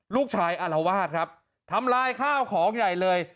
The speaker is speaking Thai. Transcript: อารวาสครับทำลายข้าวของใหญ่เลย